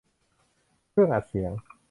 เครื่องอัดเสียง